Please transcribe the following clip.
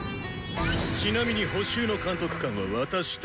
ちなみに補習の監督官は私だ。